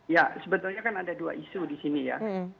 ya sebetulnya kan ada dua isu di sini ya